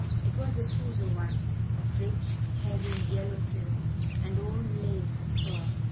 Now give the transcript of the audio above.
It was a trousseau one of rich, heavy, yellow silk and old lace and fur.